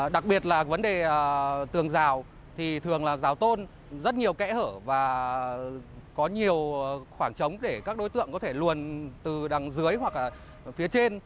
đặc biệt là vấn đề tường rào thì thường là rào tôn rất nhiều kẽ hở và có nhiều khoảng trống để các đối tượng có thể luồn từ đằng dưới hoặc phía trên